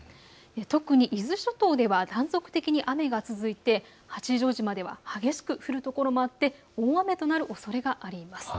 特に伊豆諸島では断続的に雨が続いて八丈島では激しく降る所もあって大雨となるおそれがあります。